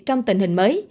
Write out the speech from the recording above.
trong tình hình mới